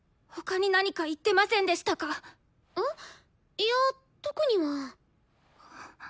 いや特には。